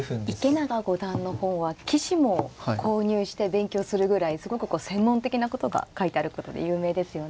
池永五段の本は棋士も購入して勉強するぐらいすごくこう専門的なことが書いてあることで有名ですよね。